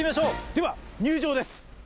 では、入場です。